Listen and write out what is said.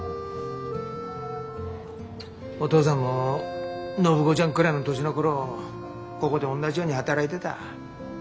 お父さんも暢子ちゃんくらいの年の頃ここで同じように働いてた。